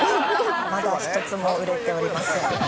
まだ一つも売れておりません。